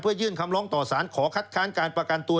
ยื่นคำร้องต่อสารขอคัดค้านการประกันตัว